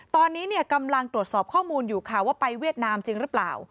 ตอนนี้กำลังตรวจสอบข้อมูลอยู่ค่ะว่าไปเวียดนามจริงหรือเปล่า